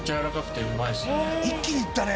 「一気にいったね